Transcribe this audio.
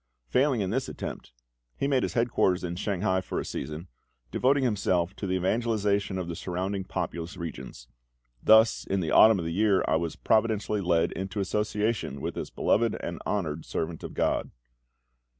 Failing in this attempt, he made his headquarters in Shanghai for a season, devoting himself to the evangelisation of the surrounding populous regions. Thus in the autumn of the year I was providentially led into association with this beloved and honoured servant of GOD.